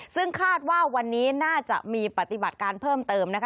ซึ่งคาดว่าวันนี้น่าจะมีปฏิบัติการเพิ่มเติมนะคะ